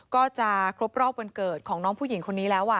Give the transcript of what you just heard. ก็จะครบรอบวันเกิดของน้องผู้หญิงคนนี้แล้ว